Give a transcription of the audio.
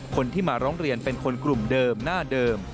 คนที่มาร้องเรียนเป็นคนกลุ่มเดิมหน้าเดิม